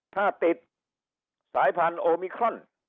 ถ้าติดสายพันธุ์โอมิครอน